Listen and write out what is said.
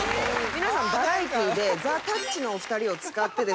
皆さんバラエティーでザ・たっちのお二人を使ってですね